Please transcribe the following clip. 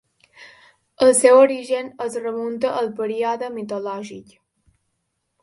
El seu origen es remunta al període mitològic.